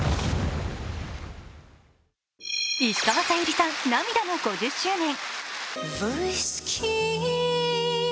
石川さゆりさん、涙の５０周年。